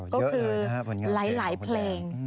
ก็คือเยอะหน่อยผลงานเปลงของคนแดง